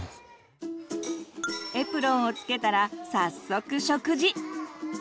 エプロンをつけたら早速食事！